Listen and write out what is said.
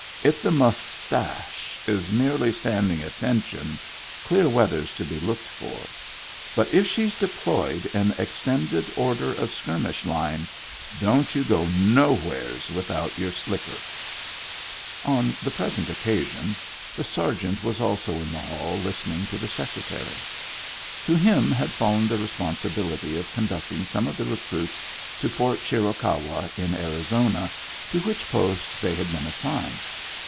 If the muss tash is merely stand ing attention, clear weather's to be looked for. But if she's deployed in extended order of skirmish line, don't you go nowheres without your slicker." Digitized by Google 94 MEMBERS OF THE FAMILY On the present occasion the sergeant was also in the hall listening to the Secretary. To him had fallen the responsibility of conducting some of the recruits to Fort Chiricahua in Arizona, to which post they had been assigned.